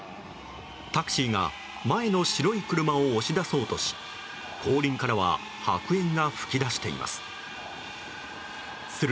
タクシーが前の白い車を押し出そうとし後輪からは白煙が噴き出しています。